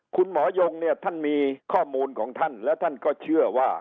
คุณหมอยงเนี่ยท่านมีข้อมูลของท่านและท่านก็เชื่อว่า